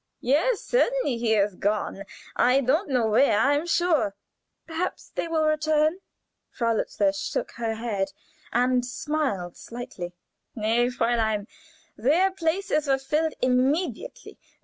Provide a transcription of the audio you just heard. "Yes, certainly he is gone. I don't know where, I am sure." "Perhaps they will return?" Frau Lutzler shook her head, and smiled slightly. "Nee, Fräulein! Their places were filled immediately.